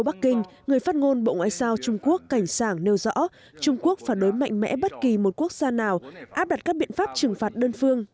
trong bắc kinh người phát ngôn bộ ngoại giao trung quốc cảnh sảng nêu rõ trung quốc phản đối mạnh mẽ bất kỳ một quốc gia nào áp đặt các biện pháp trừng phạt đơn phương